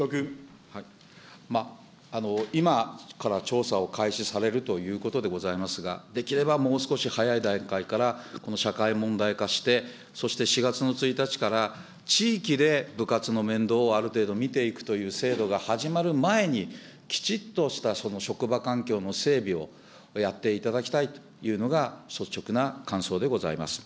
今から調査を開始されるということでございますが、できればもう少し早い段階から、この社会問題化して、そして４月の１日から、地域で部活の面倒をある程度見ていくという制度が始まる前に、きちっとした職場環境の整備をやっていただきたいというのが、率直な感想でございます。